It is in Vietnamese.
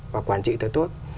và quản trị thật tốt